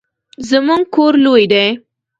زمونږ کور لوی دی